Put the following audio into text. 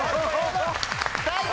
最高！